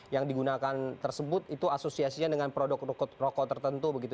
yang digunakan tersebut itu asosiasinya dengan produk rokok tertentu begitu